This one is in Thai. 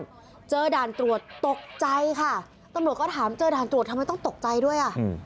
กลับบ้านเจอด่านตรวจตกใจค่ะตำรวจก็ถามเจอด่านตรวจทำไมต้องตกใจด้วย